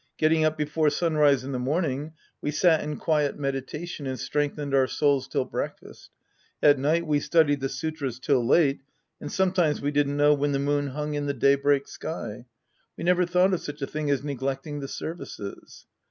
Getting up before sunrise in the morning, we sat in quiet meditation and strengthened our souls till breakfast. At night we studied the sutras till late, and sometimes we didn't know when the moon hung in the daybreak sky. We never thought of such a thing as neglecting the services.